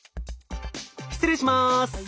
失礼します！